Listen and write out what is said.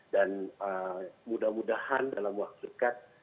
dan mudah mudahan dalam waktu dekat